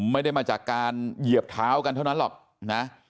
ไม่ได้มาจากการเหยียบเท้ากันเท่านั้นหรอกนะ